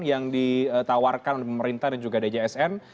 yang ditawarkan oleh pemerintah dan juga djsn